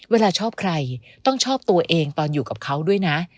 เวลาชอบใครต้องชอบตัวเองตอนอยู่กับเขาด้วยนะ